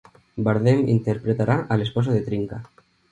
Bardem interpretará al esposo de Trinca.